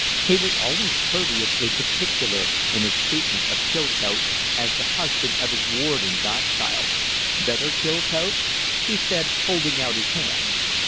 He was always courteously particular in his treatment of Chilcote, as the husband of his ward and godchild. "Better, Chilcote?" he said, holding out his hand.